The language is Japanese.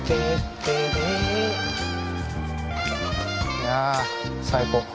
いや最高。